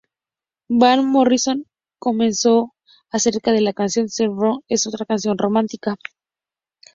Van Morrison comentó acerca de la canción: ""Sweet Thing" es otra canción romántica.